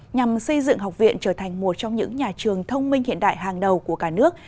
nhằm xây dựng học viện trở thành một trong những nhà trường thông minh hiện đại hàng đầu của cả nước